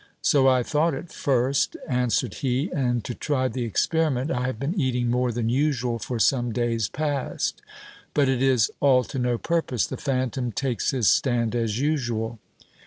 So I thought at first, answered he ; and to try the experiment, I have been eating more than usual for some days past ; but it is all to no purpose, the phantom takes his stand as usual.